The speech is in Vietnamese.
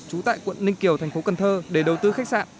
trú tại quận ninh kiều thành phố cần thơ để đầu tư khách sạn